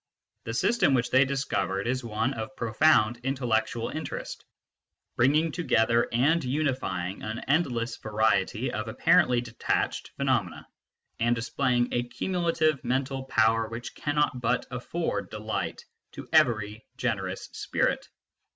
The system which they discovered is one of profound intel lectual interest, bringing together and unifying an end less variety of apparently detached phenomena, and displaying a cumulative mental power which cannot but afford delight to every generous spirit.